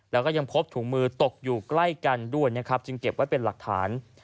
แล้วก็ยังพบถุงมือตกอยู่ใกล้กันด้วยนะครับจึงเก็บไว้เป็นหลักฐาน